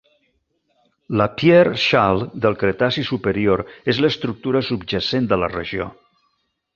La Pierre Shale, del cretaci superior, és l'estructura subjacent de la regió.